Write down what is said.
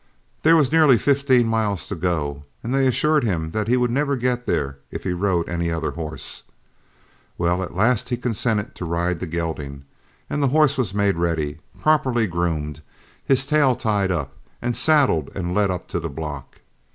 There was nearly fifteen miles to go, and they assured him that he would never get there if he rode any other horse. Well, at last he consented to ride the gelding, and the horse was made ready, properly groomed, his tail tied up, and saddled and led up to the block.